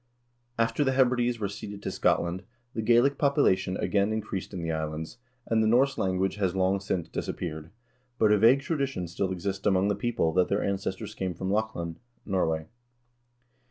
After the Hebrides were ceded to Scotland, the Gaelic population again increased in the islands, and the Norse language has long since disappeared, but a vague tradition still exists among the people that their ancestors came from Lochlann (Norway).